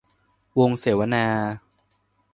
วงเสวนา